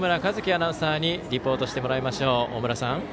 アナウンサーにリポートしてもらいましょう。